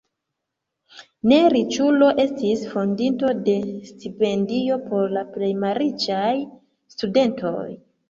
Ne riĉulo estis fondinto de stipendio por la plej malriĉaj studentoj.